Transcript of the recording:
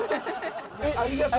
ありがとう。